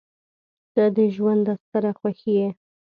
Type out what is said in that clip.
• ته د ژونده ستره خوښي یې.